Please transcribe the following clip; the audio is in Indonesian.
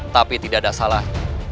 tapi tidak ada salah